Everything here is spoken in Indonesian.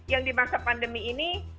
yang di masa pandemi ini